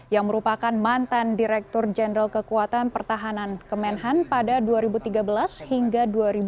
yang merupakan mantan direktur jenderal kekuatan pertahanan kemenhan pada dua ribu tiga belas hingga dua ribu dua puluh